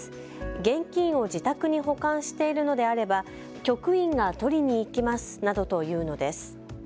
現金を自宅に保管しているのであれば局員が取りに行きますなどと言うのです。